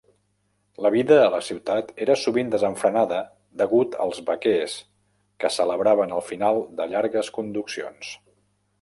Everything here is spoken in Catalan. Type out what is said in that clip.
La vida a la ciutat era sovint desenfrenada degut als vaquers, que celebraven el final de llargues conduccions.